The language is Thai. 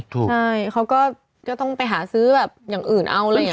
ใช่เขาก็ต้องไปหาซื้อแบบอย่างอื่นเอาอะไรอย่างนี้